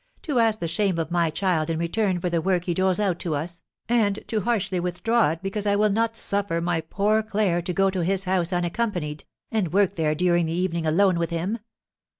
To ask the shame of my child in return for the work he doles out to us, and to harshly withdraw it because I will not suffer my poor Claire to go to his house unaccompanied, and work there during the evening alone with him!